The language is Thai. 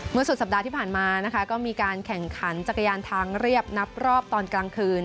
สุดสัปดาห์ที่ผ่านมานะคะก็มีการแข่งขันจักรยานทางเรียบนับรอบตอนกลางคืน